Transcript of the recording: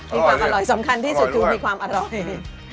มีความอร่อยสำคัญที่สุดคือมีความอร่อย